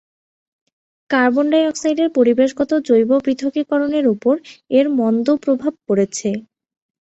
Carbon ডাই-অক্সাইডের পরিবেশগত জৈব পৃথকীকরণের ওপর এর মন্দ প্রভাব পড়েছে।